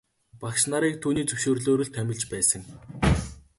Багш нарыг түүний зөвшөөрлөөр л томилж байсан.